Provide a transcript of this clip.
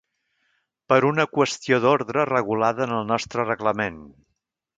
Per una qüestió d’ordre regulada en el nostre reglament.